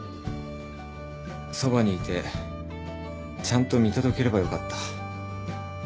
そばにいてちゃんと見届ければよかった。